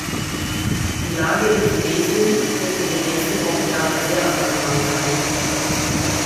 Die Lage in Tunesien wird in den nächsten Wochen daher sehr angespannt sein.